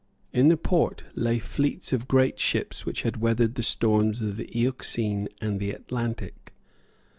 In the port lay fleets of great ships which had weathered the storms of the Euxine and the Atlantic.